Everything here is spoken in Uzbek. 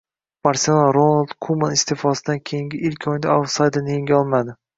“Barselona” Ronald Kuman iste’fosidan keyingi ilk o‘yinda autsayderni yenga olmadi